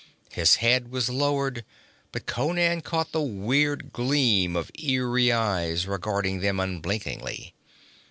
His head was lowered, but Conan caught the weird gleam of eery eyes regarding them unblinkingly.